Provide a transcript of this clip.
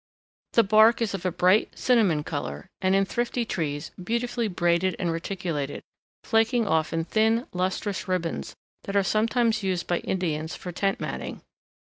The bark is of a bright cinnamon color, and, in thrifty trees, beautifully braided and reticulated, flaking off in thin, lustrous ribbons that are sometimes used by Indians for tent matting.